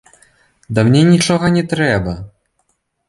Ды мне нічога не трэба!